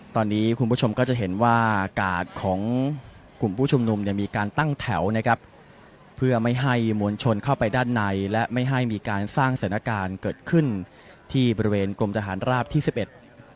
ตอนนี้คุณผู้ชมก็จะเห็นว่ากาดของกลุ่มผู้ชุมนุมเนี่ยมีการตั้งแถวนะครับเพื่อไม่ให้มวลชนเข้าไปด้านในและไม่ให้มีการสร้างสถานการณ์เกิดขึ้นที่บริเวณกรมทหารราบที่สิบเอ็ด